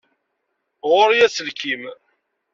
Ɣur-i aselkim.